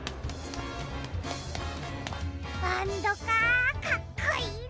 バンドかあかっこいいな。